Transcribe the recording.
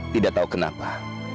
tidak tau kenapa